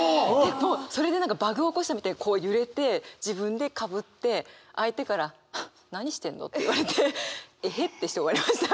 もうそれで何かバグを起こしたみたいにこう揺れて自分でかぶって相手から「ハッ何してんの？」って言われて「えへっ」ってして終わりました。